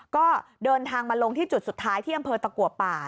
ก็เดินทางมาลงที่จุดสุดท้ายที่อำเภอตะกัวป่า